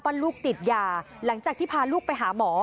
ลูกติดยาหลังจากที่พาลูกไปหาหมอ